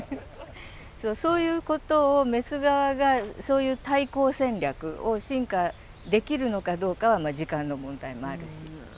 そういうことをメス側がそういう対抗戦略を進化できるのかどうかはまあ時間の問題もあるし。